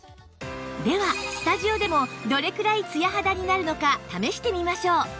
ではスタジオでもどれくらいツヤ肌になるのか試してみましょう